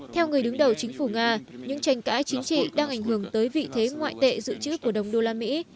theo người đứng đầu chính phủ nga những tranh cãi chính trị đang ảnh hưởng tới vị thế ngoại tệ dự trữ của đồng đô la mỹ